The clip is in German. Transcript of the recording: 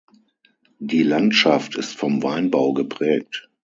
Die Landschaft ist vom Weinbau geprägt.